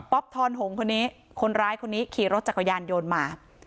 ทอนหงคนนี้คนร้ายคนนี้ขี่รถจักรยานยนต์มา